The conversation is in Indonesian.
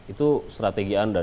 itu strategi anda